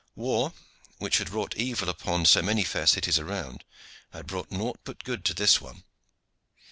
War, which had wrought evil upon so many fair cities around, had brought nought but good to this one.